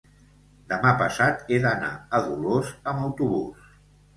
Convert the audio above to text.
Demà passat he d'anar a Dolors amb autobús.